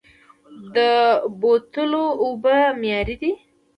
د بوتلو اوبه معیاري دي؟